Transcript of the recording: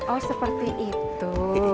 oh seperti itu